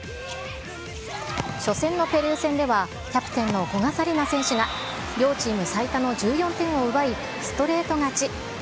初戦のペルー戦では、キャプテンの古賀紗理那選手が両チーム最多の１４点を奪い、ストレート勝ち。